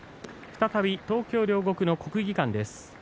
再び東京・両国の国技館です。